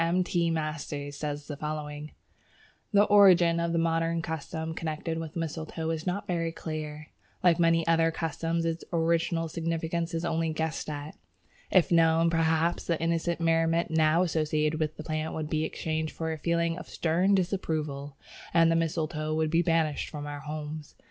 M. T. Masters says as follows: "The origin of the modern custom connected with mistletoe is not very clear. Like many other customs, its original significance is only guessed at. If known, perhaps, the innocent merriment now associated with the plant would be exchanged for a feeling of stern disapproval, and the mistletoe would be banished from our homes.